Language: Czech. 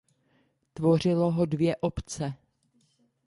Tvořilo ho dvě obce.